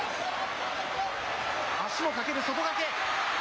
足をかける、外がけ。